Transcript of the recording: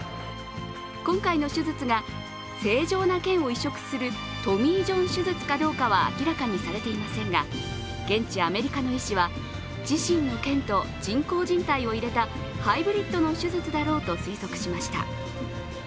今回の手術が正常なけんを移植するトミー・ジョン手術かは明らかにされていませんが現地アメリカの医師は、自身のけんと人工じん帯を入れたハイブリッドの手術だろうと推測しました。